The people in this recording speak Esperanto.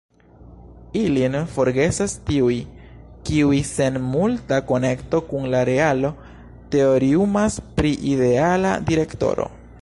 Ilin forgesas tiuj, kiuj sen multa konekto kun la realo teoriumas pri ideala direktoro.